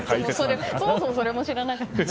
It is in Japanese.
そもそもそれも知らなかった。